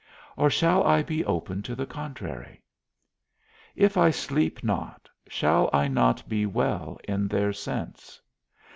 or shall I be open to the contrary? If I sleep not, shall I not be well in their sense?